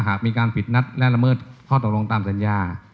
หากมีการผิดนัดและละเมิดข้อตกลงตามสัญญา